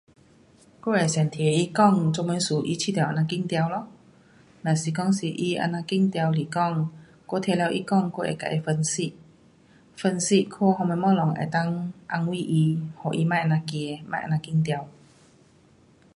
我会先听他讲做么事他觉得这么紧张咯。若是讲是他那么紧张来讲，我听了他讲，我会跟他分析，分析看什么东西能够安慰他，给他别这么怕，别这么紧张。